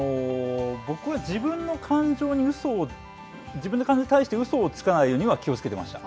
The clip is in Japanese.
僕は自分の感情に対してうそをつかないようには気をつけてました。